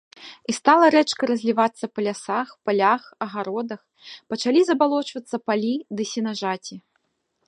І стала рэчка разлівацца па лясах, палях, агародах, пачалі забалочвацца палі ды сенажаці.